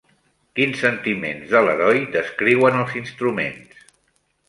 Quins sentiments de l'heroi descriuen els instruments?